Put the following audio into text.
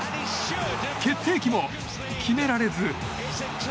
決定機も決められず。